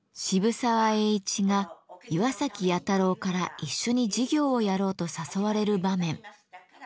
渋沢栄一が岩崎弥太郎から一緒に事業をやろうと誘われる場面。